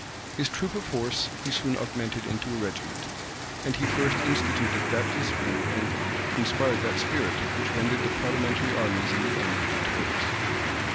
His troop of horse he soon augmented to a regiment; and he first instituted that discipline, and inspired that spirit, which rendered the parliamentary armies in the end victorious.